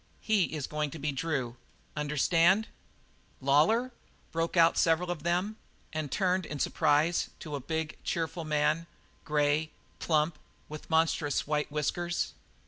He is going to be Drew. Understand?" "Lawlor?" broke out several of them, and turned in surprise to a big, cheerful man grey, plump, with monstrous white whiskers.